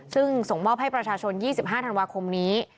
ซึ่งส่งมอบให้ประชาชน๒๕ธันวาคมนี้